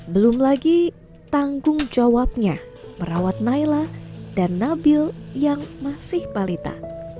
belum lagi tanggung jawabnya merawat naila dan nabil yang masih balita